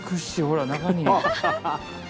ほら中に。